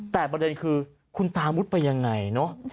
แต่ประเด็นคือคุณตามุดไปยังไงเนอะ